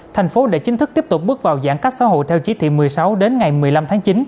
thành phố đã chính thức tiếp tục bước vào giãn cách xã hội theo chỉ thị một mươi sáu đến ngày một mươi năm tháng chín